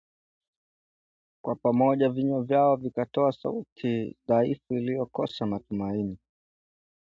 Kwa pamoja vinywa vyao vikatoa sauti dhaifu iliyokosa matumaini